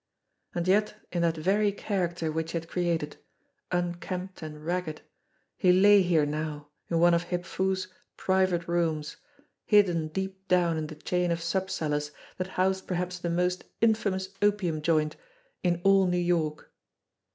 And yet in that very character which he had created, unkempt and ragged, he lay here now in one of Hip Foo's "private" rooms, hidden deep down in the chain of sub cellars that housed perhaps the most infamous opium joint in all New York